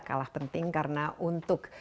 kalah penting karena untuk